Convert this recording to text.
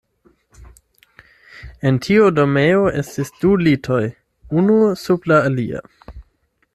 En tiu dormejo estis du litoj, unu sub la alia.